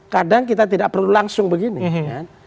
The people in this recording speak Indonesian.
kadang kita tidak perlu langsung begini kan